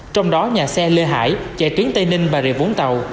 trong đó nhà xe lê hải chạy tuyến tây ninh và rịa vốn tàu